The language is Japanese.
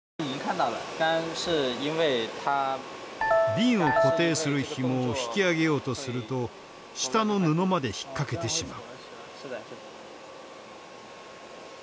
瓶を固定するひもを引き上げようとすると下の布まで引っ掛けてしまう。